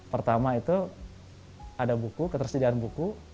pertama itu ada buku ketersediaan buku